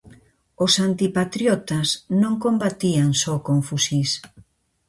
Os antipatriotas non combatían só con fusís.